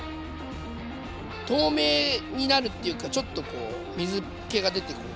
透明になるっていうかちょっとこう水けが出てくる。